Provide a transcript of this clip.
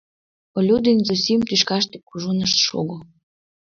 Олю ден Зосим тӱшкаште кужун ышт шого.